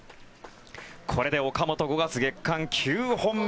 これで岡本、５月月間９本目。